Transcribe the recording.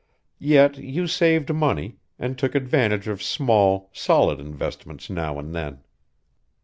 Yet you saved money, and took advantage of small, solid investments now and then.